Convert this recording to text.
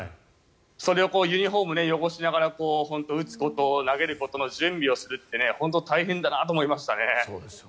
それをユニホーム汚しながら打つこと、投げることの準備をするって本当に大変だなと思いましたね。